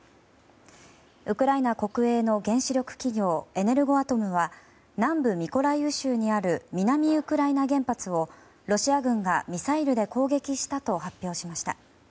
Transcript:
ウクライナ国営の原子力企業エネルゴアトムは南部ミコライウ州にある南ウクライナ原発をロシア軍がミサイルで攻撃したと発表しました。